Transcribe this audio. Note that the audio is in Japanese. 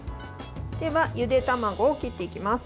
では、ゆで卵を切っていきます。